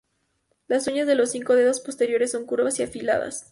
Las uñas de los cinco dedos posteriores son curvas y afiladas.